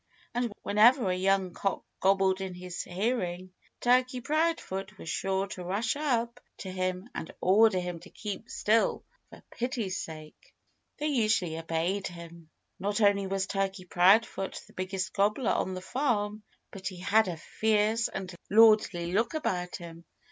And whenever a young cock gobbled in his hearing Turkey Proudfoot was sure to rush up to him and order him to keep still, for pity's sake! They usually obeyed him. Not only was Turkey Proudfoot the biggest gobbler on the farm, but he had a fierce and lordly look about him.